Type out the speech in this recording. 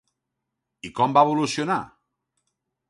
I com va evolucionar?